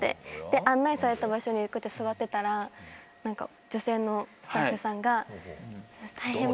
案内された場所にこうやって座ってたら女性のスタッフさんが。